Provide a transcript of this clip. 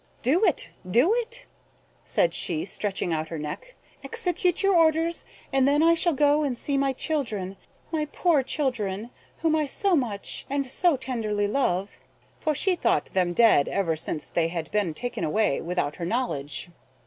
"Do it; do it" (said she, stretching out her neck). "Execute your orders, and then I shall go and see my children, my poor children, whom I so much and so tenderly loved." For she thought them dead ever since they had been taken away without her knowledge.